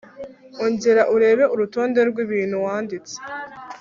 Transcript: ongera urebe urutonde rw ibintu wanditse